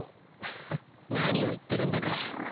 フッ何を言ってるんだか。